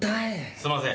すいません。